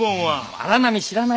荒波知らないから！